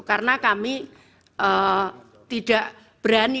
karena kami tidak berani